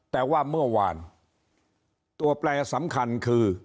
แต่ว่าเมื่อวานตัวแปลสำคัญคือ